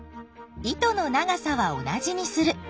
糸の長さは同じにする。